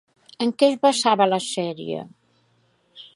En què es basava la sèrie?